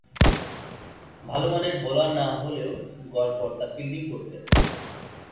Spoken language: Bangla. ভালোমানের বোলার না হলেও গড়পড়তা ফিল্ডিং করতেন।